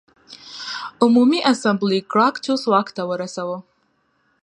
عمومي اسامبلې ګراکچوس واک ته ورساوه